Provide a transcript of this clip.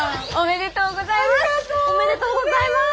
おめでとうございます！